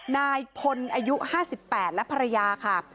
นายพลอายุ๕๘และภรรยาค่ะ